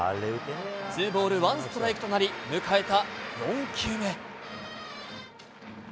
ツーボールワンストライクとなり、迎えた４球目。